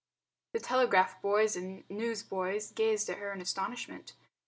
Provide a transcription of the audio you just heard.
The telegraph boys and the news boys gazed at her in astonishment.